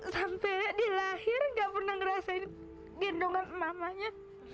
sampai dia lahir gak pernah ngerasain gendongan mamanya